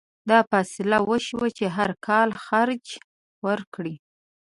دا فیصله وشوه چې هر کال خراج ورکړي.